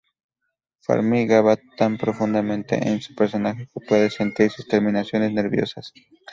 Farmiga va tan profundamente en su personaje que puedes sentir sus terminaciones nerviosas.